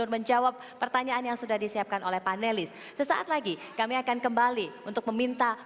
menjawab pertanyaan dari masyarakat